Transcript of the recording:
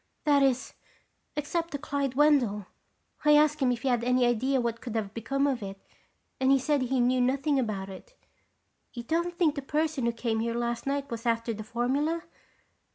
That is, except to Clyde Wendell. I asked him if he had any idea what could have become of it and he said he knew nothing about it. You don't think the person who came here last night was after the formula?"